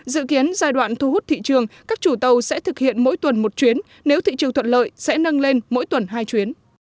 dự kiến giai đoạn thu hút thị trường các chủ tàu sẽ thực hiện mỗi tuần một chuyến nếu thị trường thuận lợi sẽ nâng lên mỗi tuần hai chuyến